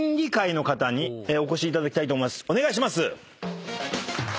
お願いします。